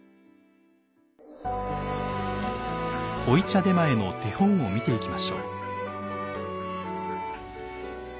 濃茶点前の手本を見ていきましょう。